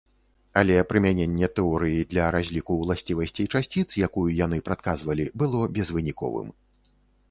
Але прымяненне тэорыі для разліку ўласцівасцей часціц, якую яны прадказвалі, было безвыніковым.